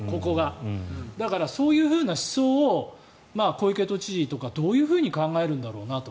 だから、そういう思想を小池都知事とかどう考えるんだろうなと。